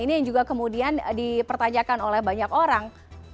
ini yang juga kemudian dipertanyakan oleh banyak orang